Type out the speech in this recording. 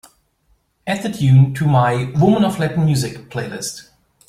Add the tune to my Women of Latin Music playlist.